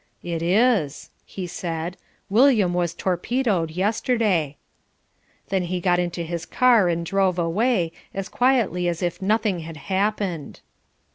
"It is," he said, "William was torpedoed yesterday." Then he got into his car and drove away, as quietly as if nothing had happened.